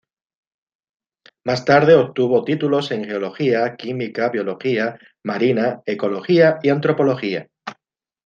Más tarde obtuvo títulos en geología, química, biología marina, ecología y antropología.